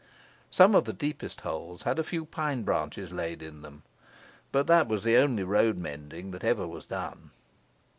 Some of the deepest holes had a few pine branches laid in them, but that was the only road mending that ever was done.